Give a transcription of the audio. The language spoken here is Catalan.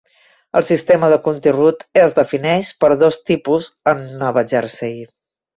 El sistema de County Route es defineix per dos tipus a Nova Jersey.